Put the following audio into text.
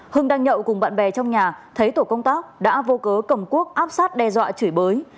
hưng đang nhậu cùng bạn bè trong nhà thấy tổ công tác đã vô cớ cầm cuốc áp sát đe dọa chửi bới